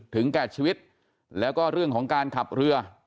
แก่ชีวิตแล้วก็เรื่องของการขับเรือ